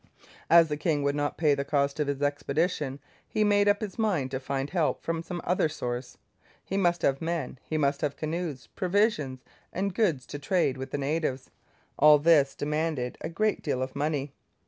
As the king would not pay the cost of his expedition, he made up his mind to find help from some other source. He must have men; he must have canoes, provisions, and goods to trade with the natives. All this demanded a great deal of money.